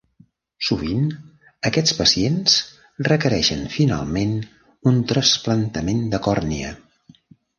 Sovint, aquests pacients requereixen finalment un trasplantament de còrnia.